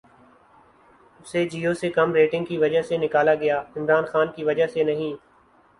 اسے جیو سے کم ریٹننگ کی وجہ سے نکالا گیا، عمران خان کی وجہ سے نہیں